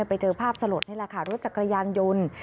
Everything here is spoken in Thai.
ไปเจอภาพสลดนี่แหละค่ะรถจักรยานยนต์